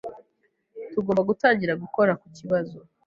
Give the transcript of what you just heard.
Tugomba gutangira gukora kukibazo.